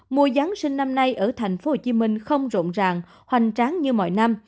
mùa giáng sinh năm nay ở tp hcm không rộn ràng hoành tráng như mọi năm